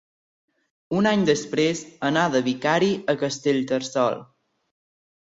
Un any després anà de vicari a Castellterçol.